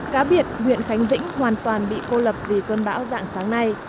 cá biệt huyện khánh vĩnh hoàn toàn bị cô lập vì cơn bão dạng sáng nay